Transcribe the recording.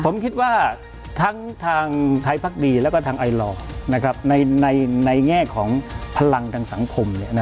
ผมคิดว่าทั้งทางไทยพักดีแล้วก็ทางไอลอร์ในแง่ของพลังทางสังคม